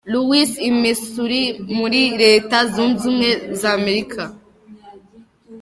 Louis, i Missouri, muri reta zunze ubumwe za Amerika.